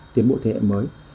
tiến bộ thế hệ mới